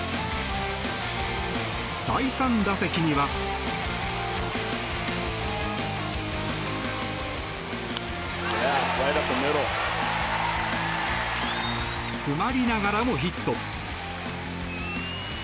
第３打席には詰まりながらもヒット。